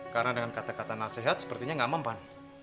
karena dengan kata kata nasihat sepertinya gak mempan